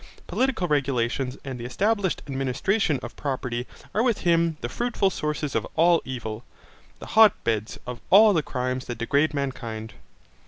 Political regulations and the established administration of property are with him the fruitful sources of all evil, the hotbeds of all the crimes that degrade mankind.